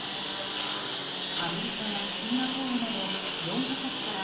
アメリカやシンガポールなど４か国から